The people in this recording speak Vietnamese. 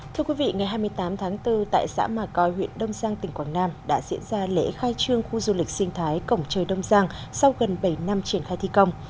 thưa quý vị ngày hai mươi tám tháng bốn tại xã mà coi huyện đông giang tỉnh quảng nam đã diễn ra lễ khai trương khu du lịch sinh thái cổng trời đông giang sau gần bảy năm triển khai thi công